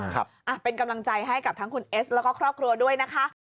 ครับอ่ะเป็นกำลังใจให้กับทั้งคุณเอสแล้วก็ครอบครัวด้วยนะคะ